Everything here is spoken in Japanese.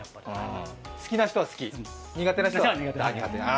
好きな人は好き、苦手な人は苦手？